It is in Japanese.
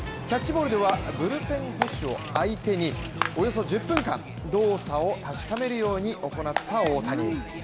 キャッチボールではブルペン捕手を相手に、およそ１０分間動作を確かめるように行った大谷。